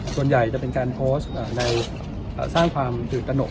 ส่วนใหญ่จะเป็นการโพสต์ในสร้างความตื่นตนก